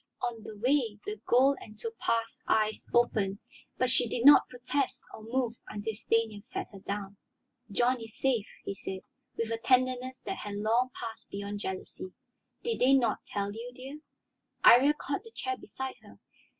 On the way the gold and topaz eyes opened, but she did not protest or move until Stanief set her down. "John is safe," he said, with a tenderness that had long passed beyond jealousy. "Did they not tell you, dear?" Iría caught the chair beside her.